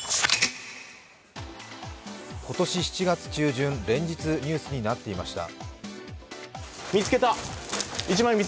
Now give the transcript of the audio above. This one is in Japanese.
今年７月中旬、連日ニュースになっていました。